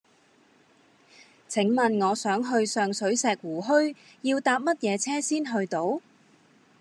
請問我想去上水石湖墟要搭乜嘢車先去到